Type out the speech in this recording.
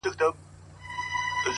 مهرباني د زړونو ترمنځ باور کرل دي,